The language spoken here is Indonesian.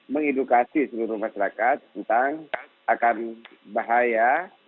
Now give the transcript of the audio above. mengedukasi seluruh masyarakat tentang akan bahaya